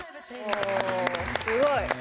すごい。